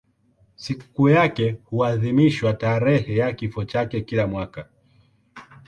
Sikukuu yake huadhimishwa tarehe ya kifo chake kila mwaka.